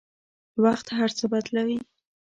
وخت هر څه بدلوي.